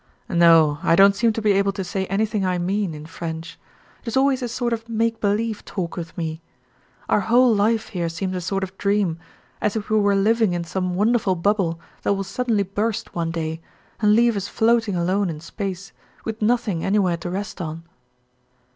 "No, I don't seem to be able to say anything I mean, in French. It's always a sort of make believe talk with me. Our whole life here seems a sort of dream, as if we were living in some wonderful bubble that will suddenly burst one day, and leave us floating alone in space, with nothing anywhere to rest on."